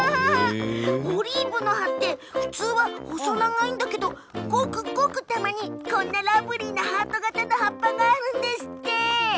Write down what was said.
オリーブの葉って普通は細長いんだけどごくごくたまにこんなラブリーなハート形の葉っぱがあるんですって。